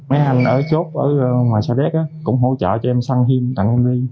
mấy anh ở chốt ở ngoài xa đét cũng hỗ trợ cho em xăng hiêm tặng em đi